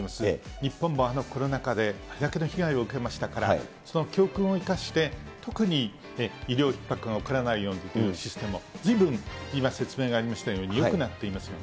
日本もあのコロナ禍であれだけの被害を受けましたから、その教訓を生かして、特に医療ひっ迫が起こらないようなシステムをずいぶん今、説明がありましたように、よくなっていますよね。